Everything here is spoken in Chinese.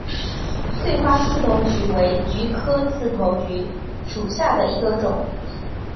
穗花刺头菊为菊科刺头菊属下的一个种。